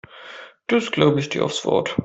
Das glaube ich dir aufs Wort.